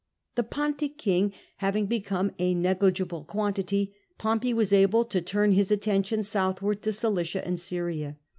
The Pontic king having become a negligible quantity, Pompey was able to turn his attention southward to Cilicia^ and Syria.